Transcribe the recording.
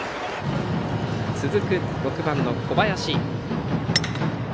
続く６番の小林。